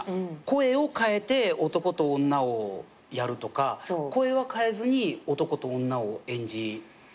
声を変えて男と女をやるとか声は変えずに男と女を演じ分けるとか。